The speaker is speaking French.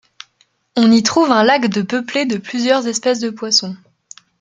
On y trouve un lac de peuplé de plusieurs espèces de poissons.